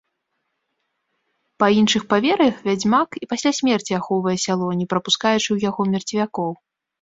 Па іншых павер'ях, вядзьмак і пасля смерці ахоўвае сяло, не прапускаючы ў яго мерцвякоў.